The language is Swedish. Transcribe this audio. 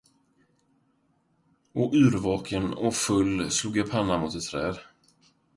Och yrvaken och full slog jag pannan mot ett träd.